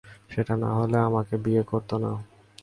সেটা না হলে আমাকে বিয়ে করতো না।